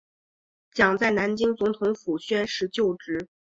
蒋在南京总统府宣誓就职。